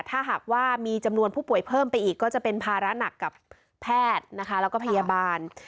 ถ้าหากว่ามีจำนวนผู้ป่วยเพิ่มไปอีกก็จะเป็นภาระหนักกับแพทย์นะคะแล้วก็พยาบาล